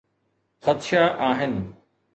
خدشا آهن.